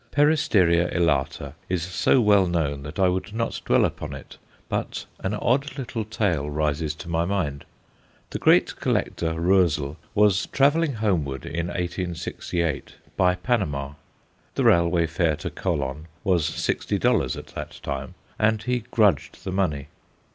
Peristeria elata is so well known that I would not dwell upon it, but an odd little tale rises to my mind. The great collector Roezl was travelling homeward, in 1868, by Panama. The railway fare to Colon was sixty dollars at that time, and he grudged the money.